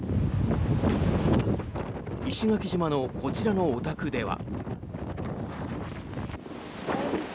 石垣島のこちらのお宅では。